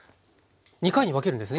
２回に分けるんですね